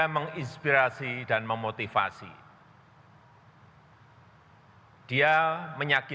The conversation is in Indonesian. tetapi juga terjadi